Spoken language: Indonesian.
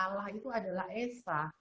allah itu adalah esa